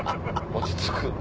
「落ち着く」。